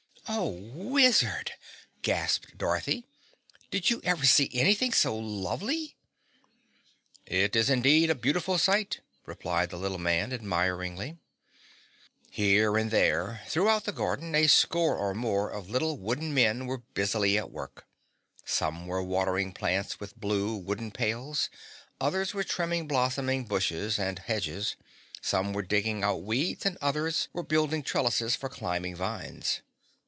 "Oh, Wizard," gasped Dorothy, "did you ever see anything so lovely?" "It is indeed a beautiful sight," replied the little man admiringly. Here and there, throughout the garden, a score or more of little wooden men were busily at work. Some were watering plants from blue wooden pails, others were trimming blossoming bushes and hedges, some were digging out weeds, and others were building trellises for climbing vines.